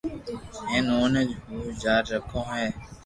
ھين اوني ھو جاري رکو ھي